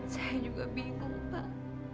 saya juga bingung pak